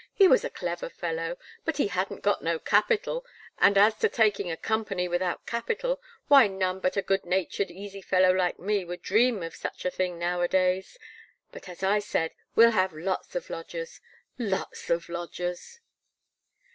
He was a clever fellow, but he hadn't got no capital, and as to taking a Co. without capital, why none but a good natured easy fellow like me would dream of such a thing now a days; but, as I said, we'll have lots of lodgers lots of lodgers."